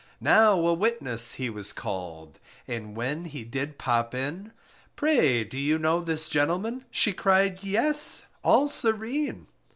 Now a witness he was called, And when he did pop in: Pray, do you know this gentleman? She cried, yes, all serene!